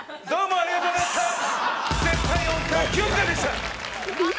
ありがとうございましたああ！